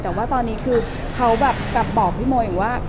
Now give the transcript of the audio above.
แต่ตอนนี้เขากลับบอกพี่โม้นะ